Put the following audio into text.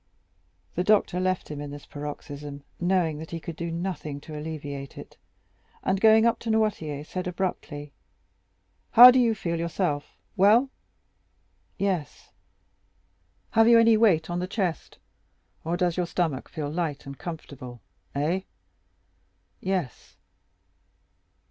The doctor left him in this paroxysm, knowing that he could do nothing to alleviate it, and, going up to Noirtier, said abruptly: "How do you find yourself?—well?" "Yes." "Have you any weight on the chest; or does your stomach feel light and comfortable—eh?" "Yes."